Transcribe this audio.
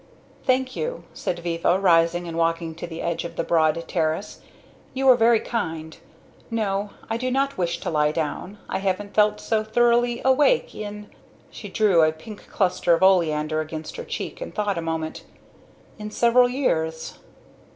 "Thank you," said Viva, rising and walking to the edge of the broad terrace. "You are very kind. No. I do not wish to lie down. I haven't felt so thoroughly awake in " she drew a pink cluster of oleander against her cheek and thought a moment "in several years."